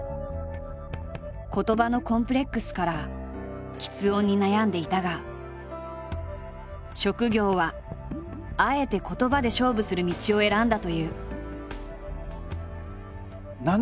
言葉のコンプレックスからきつ音に悩んでいたが職業はあえて言葉で勝負する道を選んだという。